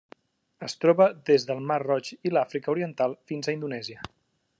Es troba des del Mar Roig i l'Àfrica Oriental fins a Indonèsia.